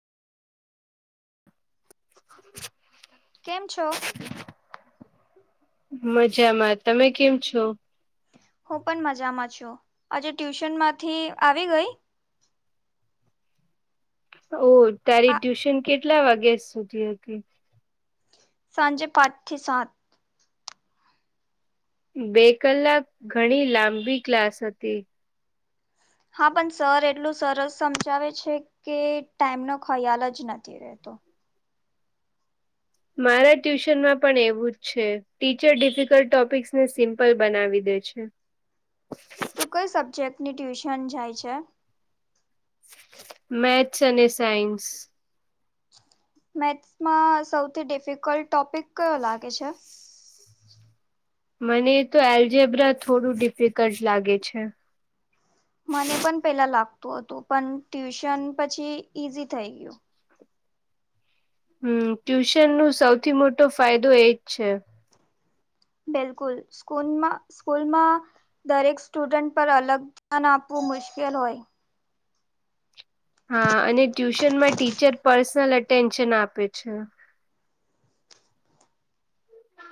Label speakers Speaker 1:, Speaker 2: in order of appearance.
Speaker 1: [inaudible]
Speaker 2: કેમ છો?
Speaker 1: મજામાં, તમે કેમ છો?
Speaker 2: હું પણ મજામાં છું. આજે ટ્યુશનમાંથી આવી ગઈ?
Speaker 1: ઓ, તારી
Speaker 2: આ
Speaker 1: ટ્યુશન કેટલા વાગ્યા સુધી હતી?
Speaker 2: સાંજે પાંચથી સાત.
Speaker 1: બે કલાક, ઘણી લાંબી ક્લાસ હતી.
Speaker 2: હા, પણ સર એટલું સરસ સમજાવે છે કે ટાઈમનો ખ્યાલ જ નથી રહેતો.
Speaker 1: મારા ટ્યુશનમાં પણ એવું જ છે, ટીચર ડિફિકલ્ટ ટોપિક્સને સિમ્પલ બનાવી દે છે. અચ્છા [inaudible]
Speaker 2: તું કયા સબ્જેક્ટની ટ્યુશન જાય છે?
Speaker 1: મેથ્સ અને સાયન્સ.
Speaker 2: મેથ્સમાં સૌથી ડિફિકલ્ટ ટોપિક કયો લાગે છે?
Speaker 1: મને તો એલ્જેબ્રા થોડું ડિફિકલ્ટ લાગે છે.
Speaker 2: મને પણ પહેલાં લાગતું હતું, પણ ટ્યુશન પછી ઈઝી થઈ ગયું.
Speaker 1: હમ, ટ્યુશનનો સૌથી મોટો ફાયદો એ જ છે.
Speaker 2: બિલકુલ. સ્કૂલમાં, સ્કૂલમાં... દરેક સ્ટુડન્ટ પર અલગ ધ્યાન આપવું મુશ્કેલ હોય!
Speaker 1: હા, અને ટ્યુશનમાં ટીચર પર્સનલ અટેન્શન આપે છે.